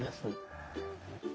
へえ。